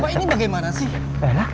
bapak ini bagaimana sih